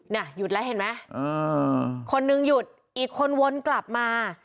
น่ะหยุดแล้วเห็นไหมคนนึงหยุดอีกคนวนกลับมา